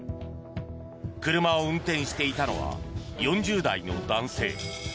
車を運転していたのは４０代の男性。